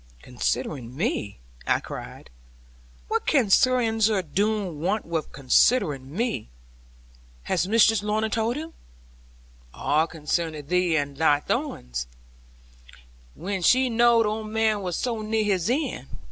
'Considering me!' I cried; 'what can Sir Ensor Doone want with considering me? Has Mistress Lorna told him?' 'All concerning thee, and thy doings; when she knowed old man were so near his end.